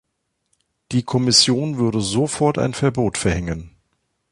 Die Kommission würde sofort ein Verbot verhängen.